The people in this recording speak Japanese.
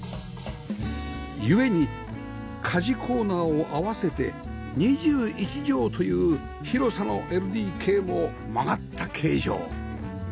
故に家事コーナーを合わせて２１畳という広さの ＬＤＫ も曲がった形状